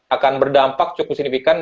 akan berdampak cukup signifikan